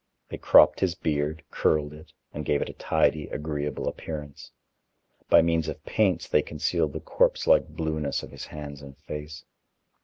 They cropped his beard, curled it, and gave it a tidy, agreeable appearance. By means of paints they concealed the corpse like blueness of his hands and face.